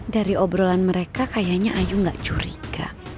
dari obrolan mereka kayaknya ayu gak curiga